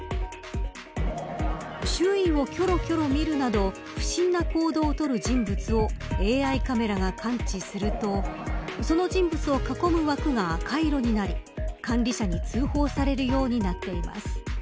周囲をきょろきょろ見るなど不審な行動を取る人物をＡＩカメラが感知するとその人物を囲む枠が赤色になり管理者に通報されるようになっています。